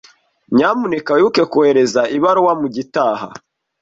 Nyamuneka wibuke kohereza ibaruwa mugitaha.